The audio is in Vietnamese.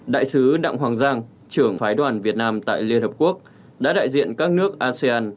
đại sứ đặng hoàng giang trưởng phái đoàn việt nam tại liên hợp quốc đã đại diện các nước asean